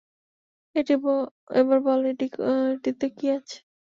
এবার বল এটিতে কী আছে?